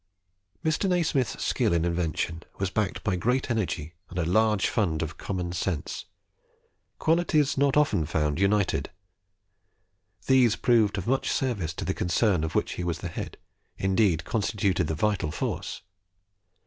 Mr. Nasmyth's skill in invention was backed by great energy and a large fund of common sense qualities not often found united. These proved of much service to the concern of which he was the head, and indeed constituted the vital force.